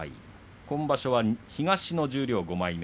今場所は東の十両５枚目